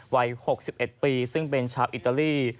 วัย๖๑ปีซึ่งเป็นชาวอิตาลี